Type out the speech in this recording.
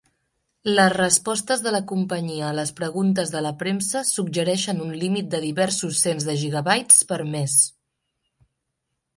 Les respostes de la companyia a las preguntes de la premsa suggereixen un límit de diversos cents de gigabytes per mes.